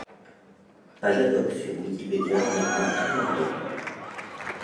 Page ad-hoc sur Wikipédia en Allemand et en Anglais.